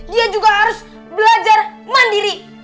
dia juga harus belajar mandiri